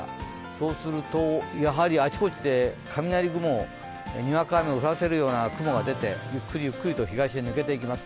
そうするとあちこちで雷雲、にわか雨を降らせるような雲が出てゆっくりゆっくりと東へ抜けていきます。